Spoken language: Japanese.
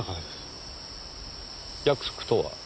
約束とは？